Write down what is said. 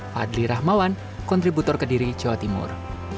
fadli rahmawan kontributor kediri jawa timur